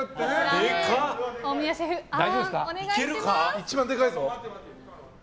一番でかいぞ。